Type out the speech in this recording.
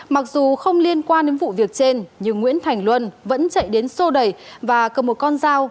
mặc dù không liên quan đến vụ việc trên nhưng nguyễn thành luân vẫn chạy đến sô đẩy và cầm một con dao